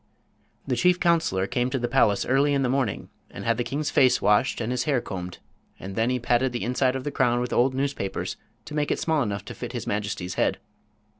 The chief counselor came to the palace early in the morning and had the king's face washed and his hair combed; and then he padded the inside of the crown with old newspapers to make it small enough to fit his majesty's head.